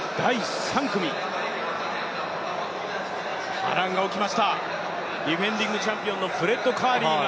波乱が起きました、ディフェンディングチャンピオンのフレッド・カーリーが。